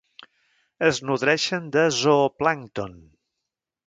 Es nodreixen de zooplàncton.